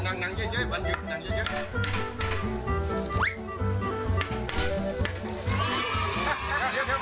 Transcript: นั่งวันอยู่